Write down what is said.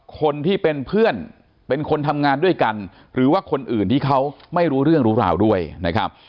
คนที่เป็นเพื่อนเป็นคนทำงานด้วยกันหรือว่าคนอื่นที่เขาไม่รู้เรื่องรู้ราวด้วยนะครับ